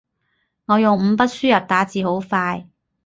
我用五筆輸入打字好快